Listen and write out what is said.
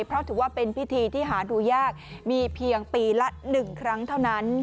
เพราะถือว่าเป็นพิธีที่หาดูยากมีเพียงปีละ๑ครั้งเท่านั้น